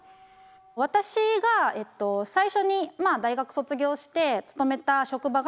私が最初に大学卒業して勤めた職場がですね